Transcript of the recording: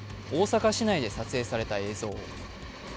大阪市内で撮影された映像。